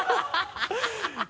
ハハハ